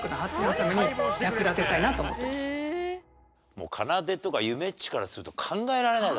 もうかなでとかゆめっちからすると考えられないだろ？